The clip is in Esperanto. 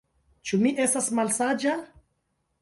Ĉu mi estas malsaĝa?